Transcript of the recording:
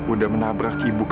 udah menabrak ibu kamu